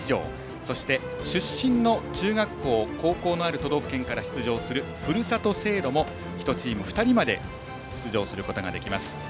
そして出身の中学校、高校のある都道府県から出場するふるさと制度も１チーム２人まで出場することができます。